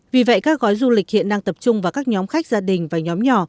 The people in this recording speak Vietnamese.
vì vậy các gói du lịch hiện đang tập trung vào các nhóm khách gia đình và nhóm nhỏ